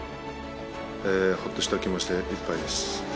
ほっとした気持ちでいっぱいです。